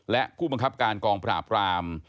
และผู้บังคับการกองปราบราม